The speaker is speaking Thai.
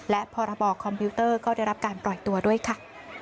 และพรบคอมพิวเตอร์ก็ได้รับการปล่อยตัวด้วยค่ะ